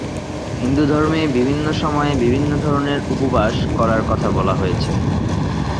হিন্দুধর্মে বিভিন্ন সময়ে বিভিন্ন ধরনের উপবাস করার কথা বলা হয়েছে।